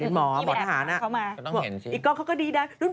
หมอทหาร